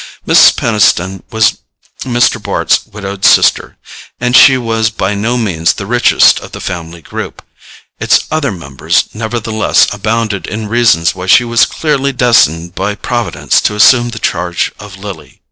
Mrs. Peniston was Mr. Bart's widowed sister, and if she was by no means the richest of the family group, its other members nevertheless abounded in reasons why she was clearly destined by Providence to assume the charge of Lily.